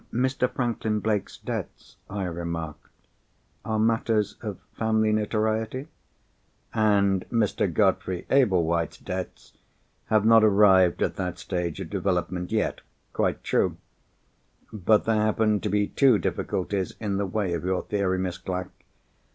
"Mr. Franklin Blake's debts," I remarked, "are matters of family notoriety." "And Mr. Godfrey Ablewhite's debts have not arrived at that stage of development yet. Quite true. But there happen to be two difficulties in the way of your theory, Miss Clack.